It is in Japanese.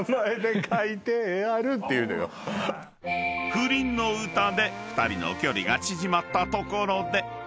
［不倫の歌で２人の距離が縮まったところで］